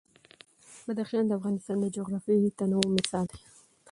بدخشان د افغانستان د جغرافیوي تنوع مثال دی.